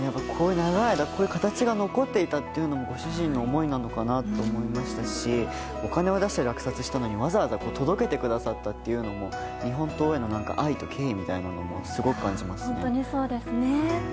長い間形が残っていたというのもご主人の思いなのかなと思いましたしお金を出して落札したのにわざわざ届けてくださったのは日本刀への愛と経緯みたいなものを本当にそうですね。